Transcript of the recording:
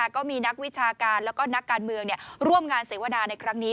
ก็มีนักวิชาการแล้วก็นักการเมืองร่วมงานเสวนาในครั้งนี้